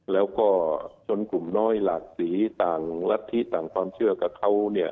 แล้วก็ชนกลุ่มน้อยหลากสีต่างรัฐธิต่างความเชื่อกับเขาเนี่ย